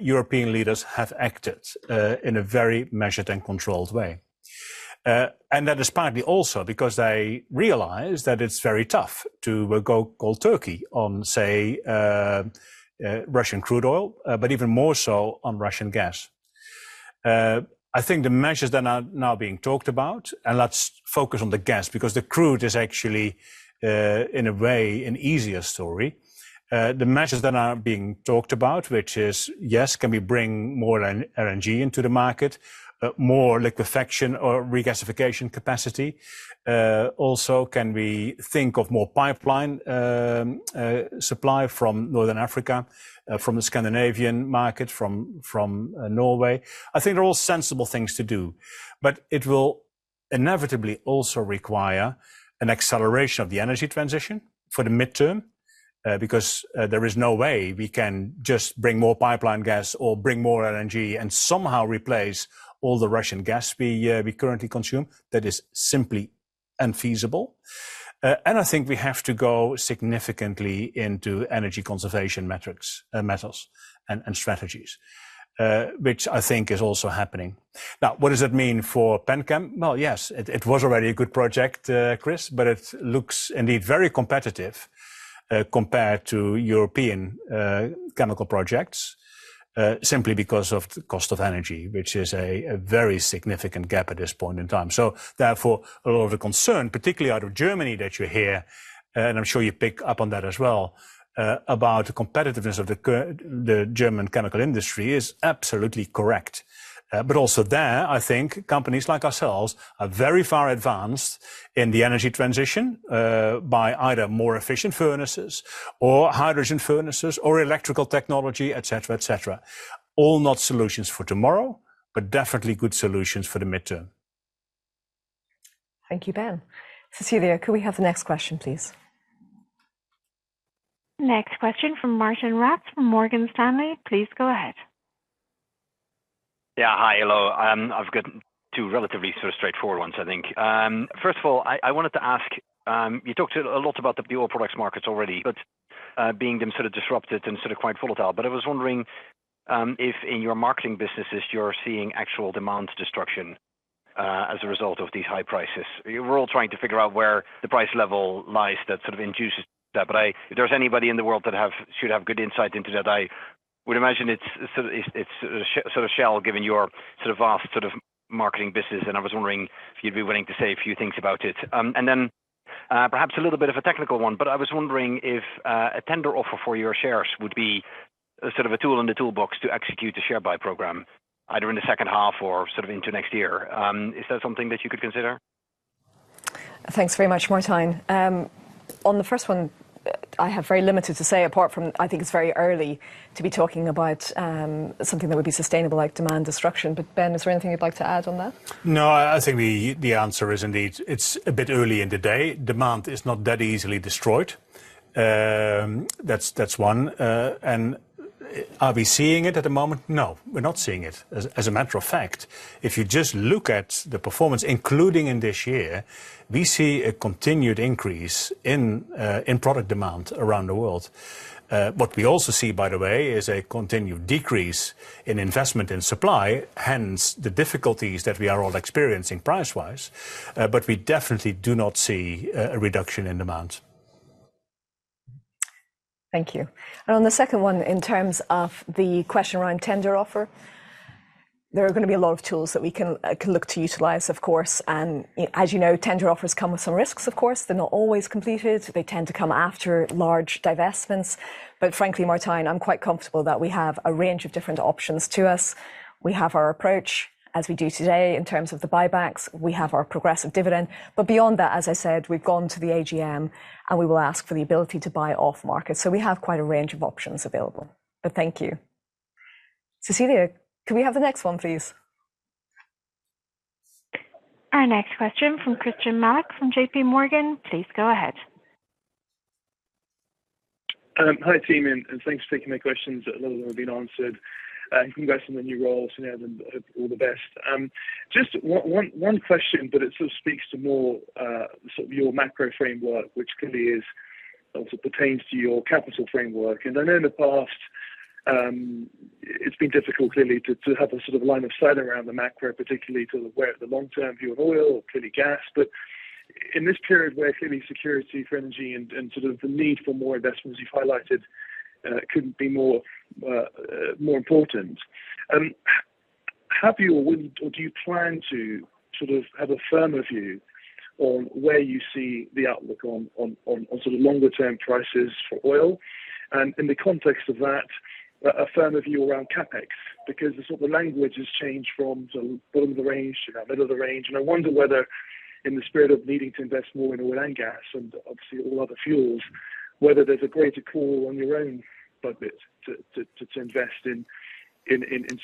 European leaders have acted in a very measured and controlled way. That is partly also because they realize that it's very tough to go cold turkey on, say, Russian crude oil, but even more so on Russian gas. I think the measures that are now being talked about, and let's focus on the gas because the crude is actually in a way an easier story. The measures that are being talked about, which is, yes, can we bring more LNG into the market, more liquefaction or regasification capacity? Also, can we think of more pipeline supply from Northern Africa, from the Scandinavian market, from Norway? I think they're all sensible things to do. It will inevitably also require an acceleration of the energy transition for the midterm, because there is no way we can just bring more pipeline gas or bring more LNG and somehow replace all the Russian gas we currently consume. That is simply unfeasible. I think we have to go significantly into energy conservation metrics, methods and strategies, which I think is also happening. Now, what does that mean for Pennsylvania Chemicals? Well, yes, it was already a good project, Chris, but it looks indeed very competitive, compared to European chemical projects, simply because of the cost of energy, which is a very significant gap at this point in time. Therefore, a lot of the concern, particularly out of Germany that you hear, and I'm sure you pick up on that as well, about the competitiveness of the German chemical industry is absolutely correct. But also there, I think companies like ourselves are very far advanced in the energy transition, by either more efficient furnaces or hydrogen furnaces or electrical technology, et cetera, et cetera. All not solutions for tomorrow, but definitely good solutions for the midterm. Thank you, Ben. Cecilia, could we have the next question, please? Next question from Martijn Rats from Morgan Stanley. Please go ahead. Hi. Hello. I've got two relatively sort of straightforward ones, I think. First of all, I wanted to ask, you talked a lot about the oil products markets already, but them being sort of disrupted and sort of quite volatile. I was wondering, if in your marketing businesses you're seeing actual demand destruction as a result of these high prices. We're all trying to figure out where the price level lies that sort of induces that. If there's anybody in the world that should have good insight into that, I would imagine it's sort of Shell given your sort of vast sort of marketing business, and I was wondering if you'd be willing to say a few things about it. And then- Perhaps a little bit of a technical one, but I was wondering if a tender offer for your shares would be a sort of a tool in the toolbox to execute the share buy program, either in the H2 or sort of into next year. Is that something that you could consider? Thanks very much, Martijn. On the first one, I have very limited to say apart from, I think it's very early to be talking about something that would be sustainable like demand destruction. Ben, is there anything you'd like to add on that? No. I think the answer is indeed it's a bit early in the day. Demand is not that easily destroyed. That's one. Are we seeing it at the moment? No, we're not seeing it. As a matter of fact, if you just look at the performance, including in this year, we see a continued increase in product demand around the world. What we also see, by the way, is a continued decrease in investment in supply, hence the difficulties that we are all experiencing price-wise. We definitely do not see a reduction in demand. Thank you. On the second one, in terms of the question around tender offer, there are gonna be a lot of tools that we can look to utilize, of course. As you know, tender offers come with some risks, of course. They're not always completed. They tend to come after large divestments. Frankly, Martijn, I'm quite comfortable that we have a range of different options to us. We have our approach, as we do today in terms of the buybacks. We have our progressive dividend. Beyond that, as I said, we've gone to the AGM, and we will ask for the ability to buy off market. We have quite a range of options available. Thank you. Cecilia, can we have the next one, please? Our next question from Christyan Malek from JPMorgan. Please go ahead. Hi team, and thanks for taking my questions. A lot of them have been answered. Congrats on the new role, Sinead, and all the best. Just one question, but it sort of speaks to more sort of your macro framework, which clearly also pertains to your capital framework. I know in the past, it's been difficult clearly to have a sort of line of sight around the macro, particularly to where the long-term view of oil or clearly gas. In this period where clearly energy security and sort of the need for more investments you've highlighted, couldn't be more important. Have you or do you plan to sort of have a firmer view on where you see the outlook on sort of longer term prices for oil? In the context of that, a firmer view around CapEx, because the sort of the language has changed from the bottom of the range to now middle of the range. I wonder whether in the spirit of needing to invest more in oil and gas and obviously all other fuels, whether there's a greater call on your own budget to invest in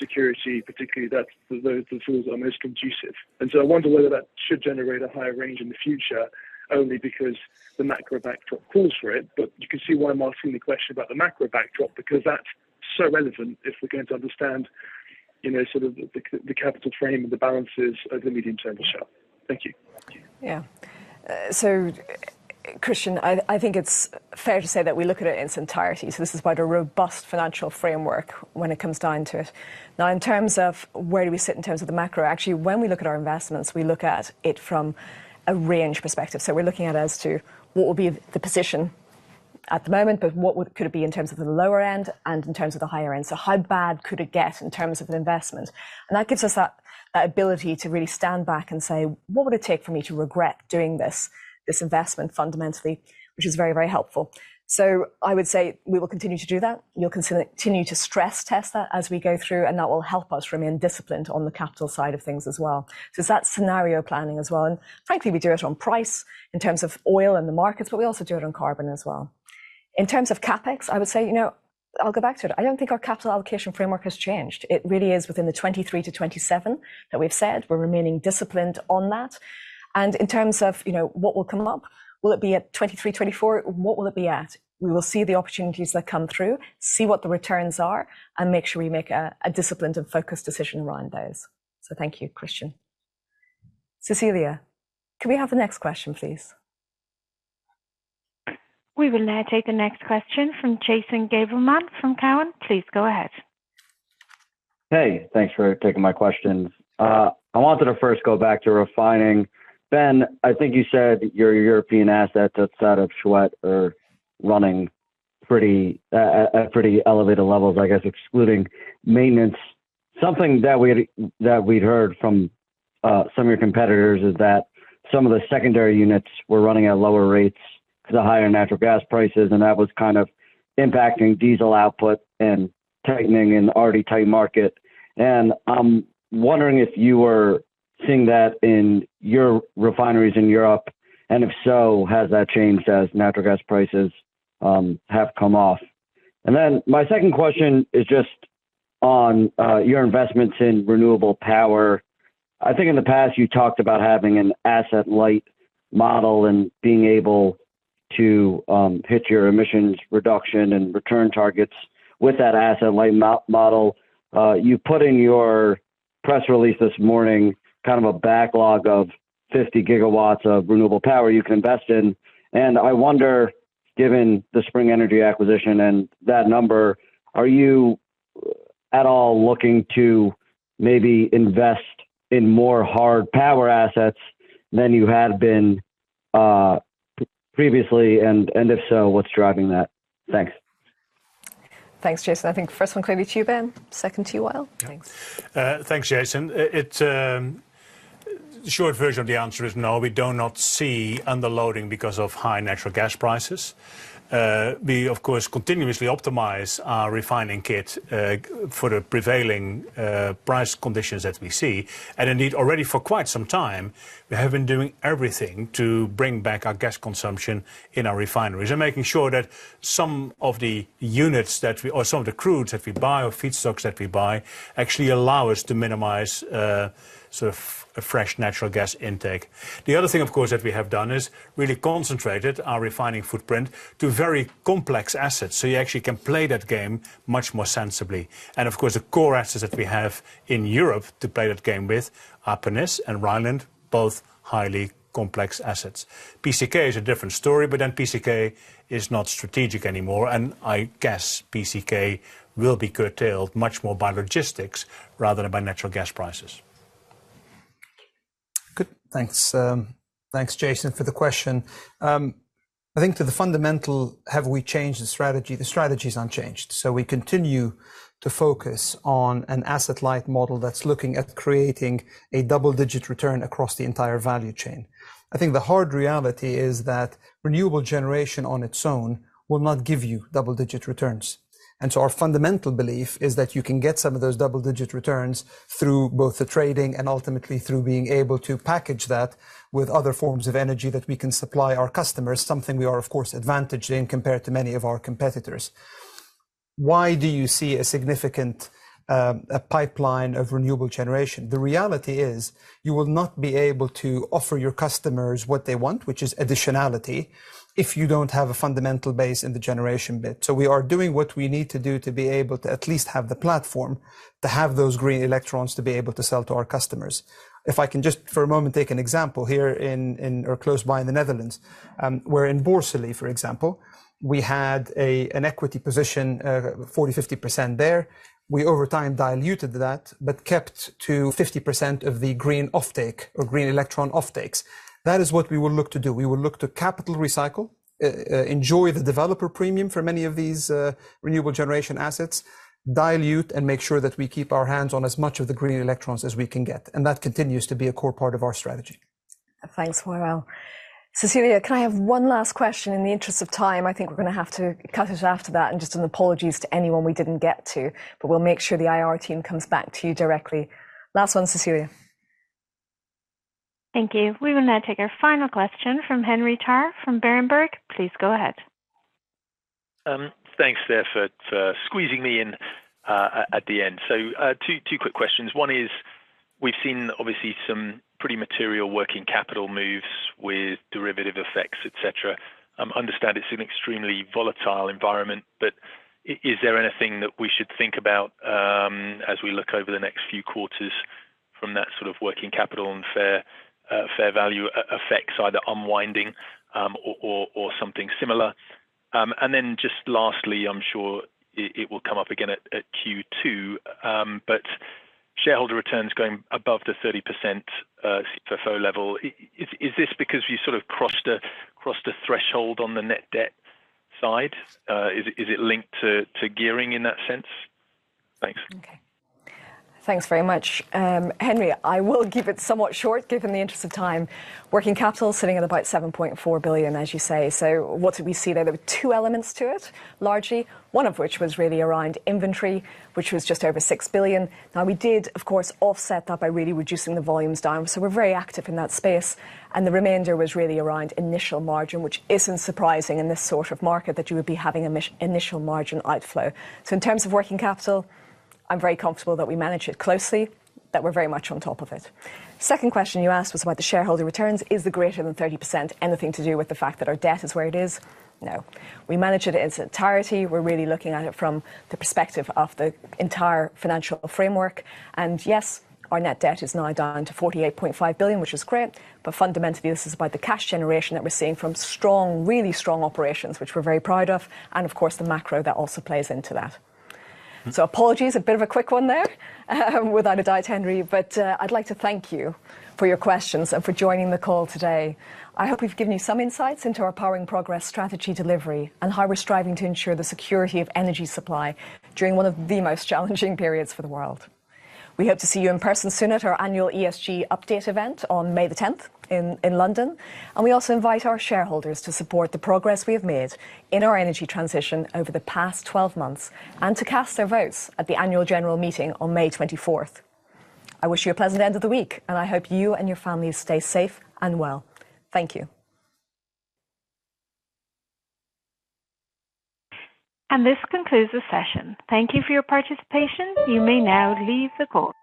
security particularly that those are the fuels that are most conducive. I wonder whether that should generate a higher range in the future only because the macro backdrop calls for it. You can see why I'm asking the question about the macro backdrop, because that's so relevant if we're going to understand, you know, sort of the capital frame and the balances of the medium-term of Shell. Thank you. Yeah. Christyan, I think it's fair to say that we look at it in its entirety. This is quite a robust financial framework when it comes down to it. Now in terms of where do we sit in terms of the macro, actually, when we look at our investments, we look at it from a range perspective. We're looking at as to what will be the position at the moment, but what could it be in terms of the lower end and in terms of the higher end. How bad could it get in terms of an investment? That gives us that ability to really stand back and say, "What would it take for me to regret doing this investment fundamentally?" Which is very, very helpful. I would say we will continue to do that. We'll continue to stress test that as we go through, and that will help us remain disciplined on the capital side of things as well. It's that scenario planning as well. Frankly, we do it on price in terms of oil and the markets, but we also do it on carbon as well. In terms of CapEx, I would say, you know, I'll go back to it. I don't think our capital allocation framework has changed. It really is within the 23-27 that we've said. We're remaining disciplined on that. In terms of, you know, what will come up, will it be at 23, 24? What will it be at? We will see the opportunities that come through, see what the returns are, and make sure we make a disciplined and focused decision around those. Thank you, Christyan. Cecilia, can we have the next question, please? We will now take the next question from Jason Gabelman from Cowen. Please go ahead. Hey, thanks for taking my questions. I wanted to first go back to refining. Ben, I think you said your European assets outside of Schwedt are running at pretty elevated levels, I guess excluding maintenance. Something that we'd heard from some of your competitors is that some of the secondary units were running at lower rates because of higher natural gas prices, and that was kind of impacting diesel output and tightening an already tight market. I'm wondering if you are seeing that in your refineries in Europe, and if so, has that changed as natural gas prices have come off? Then my second question is just on your investments in renewable power. I think in the past you talked about having an asset light model and being able to hit your emissions reduction and return targets with that asset light model. You put in your press release this morning kind of a backlog of 50 GW of renewable power you can invest in. I wonder, given the Sprng Energy acquisition and that number, are you at all looking to maybe invest in more hard power assets than you had been, previously? And if so, what's driving that? Thanks. Thanks, Jason. I think first one clearly to you, Ben. Second to you, Wael. Thanks. Yeah. Thanks, Jason. Short version of the answer is no, we do not see underloading because of high natural gas prices. We of course continuously optimize our refining kit for the prevailing price conditions that we see. Indeed, already for quite some time, we have been doing everything to bring back our gas consumption in our refineries and making sure that some of the crudes that we buy or feedstocks that we buy actually allow us to minimize sort of a fresh natural gas intake. The other thing, of course, that we have done is really concentrated our refining footprint to very complex assets. You actually can play that game much more sensibly. Of course, the core assets that we have in Europe to play that game with are Pernis and Rheinland, both highly complex assets. PCK is a different story, but then PCK is not strategic anymore. I guess PCK will be curtailed much more by logistics rather than by natural gas prices. Good. Thanks. Thanks, Jason, for the question. I think, fundamentally, have we changed the strategy? The strategy is unchanged. We continue to focus on an asset-light model that's looking at creating a double-digit return across the entire value chain. I think the hard reality is that renewable generation on its own will not give you double-digit returns. Our fundamental belief is that you can get some of those double-digit returns through both the trading and ultimately through being able to package that with other forms of energy that we can supply our customers, something we are, of course, advantaging compared to many of our competitors. Why do you see a significant pipeline of renewable generation? The reality is you will not be able to offer your customers what they want, which is additionality, if you don't have a fundamental base in the generation bit. We are doing what we need to do to be able to at least have the platform to have those green electrons to be able to sell to our customers. If I can just for a moment take an example here in or close by in the Netherlands, where in Borssele, for example, we had an equity position 40%-50% there. We over time diluted that, but kept to 50% of the green offtake or green electron offtakes. That is what we will look to do. We will look to capital recycle, enjoy the developer premium for many of these, renewable generation assets, dilute and make sure that we keep our hands on as much of the green electrons as we can get. That continues to be a core part of our strategy. Thanks, Wael. Cecilia, can I have one last question in the interest of time? I think we're gonna have to cut it after that and just an apologies to anyone we didn't get to, but we'll make sure the IR team comes back to you directly. Last one, Cecilia. Thank you. We will now take our final question from Henry Tarr from Berenberg. Please go ahead. Thanks there for squeezing me in at the end. Two quick questions. One is, we've seen obviously some pretty material working capital moves with derivative effects, et cetera. Understand it's an extremely volatile environment, but is there anything that we should think about as we look over the next few quarters from that sort of working capital and fair value effects, either unwinding or something similar? Just lastly, I'm sure it will come up again at Q2. Shareholder returns going above the 30% CFFO level. Is this because you sort of crossed a threshold on the net debt side? Is it linked to gearing in that sense? Thanks. Okay. Thanks very much. Henry, I will keep it somewhat short given the interest of time. Working capital sitting at about $7.4 billion, as you say. What did we see there? There were two elements to it, largely. One of which was really around inventory, which was just over $6 billion. Now, we did, of course, offset that by really reducing the volumes down. We're very active in that space, and the remainder was really around initial margin, which isn't surprising in this sort of market that you would be having initial margin outflow. In terms of working capital, I'm very comfortable that we manage it closely, that we're very much on top of it. Second question you asked was about the shareholder returns. Is the greater than 30% anything to do with the fact that our debt is where it is? No. We manage it in its entirety. We're really looking at it from the perspective of the entire financial framework. Yes, our net debt is now down to $48.5 billion, which is great. Fundamentally, this is about the cash generation that we're seeing from strong, really strong operations, which we're very proud of, and of course, the macro that also plays into that. Apologies, a bit of a quick one there, without a doubt, Henry. I'd like to thank you for your questions and for joining the call today. I hope we've given you some insights into our Powering Progress strategy delivery and how we're striving to ensure the security of energy supply during one of the most challenging periods for the world. We hope to see you in person soon at our annual ESG update event on May 10th in London. We also invite our shareholders to support the progress we have made in our energy transition over the past 12 months and to cast their votes at the annual general meeting on May 24th. I wish you a pleasant end of the week, and I hope you and your families stay safe and well. Thank you. This concludes the session. Thank you for your participation. You may now leave the call.